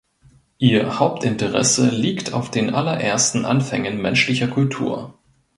Ihr Hauptinteresse liegt auf den allerersten Anfängen menschlicher Kultur.